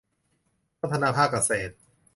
พัฒนาภาคเกษตร